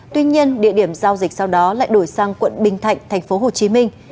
tuy nhiên địa điểm giao dịch sau đó lại đổi sang quận bình thạnh thành phố hồ chí minh